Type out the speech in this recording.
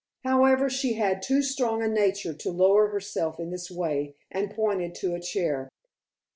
However, she had too strong a nature to lower herself in this way, and pointed to a chair.